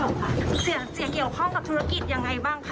วันที่สิบสามนี้เราได้อยู่ไหมครับตอนที่ตำรวจลงไปครับ